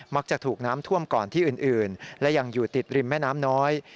ถูกน้ำท่วมก่อนที่อื่นและยังอยู่ติดริมแม่น้ำน้อย